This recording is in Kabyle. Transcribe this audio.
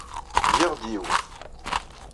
Giɣ-d yiwet.